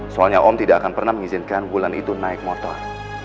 soalnya om tidak akan pernah mengizinkan bulan itu naik motor